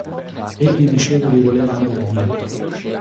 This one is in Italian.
Egli diceva di voler andar via.